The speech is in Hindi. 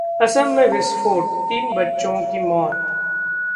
असम में विस्फोट, तीन बच्चों की मौत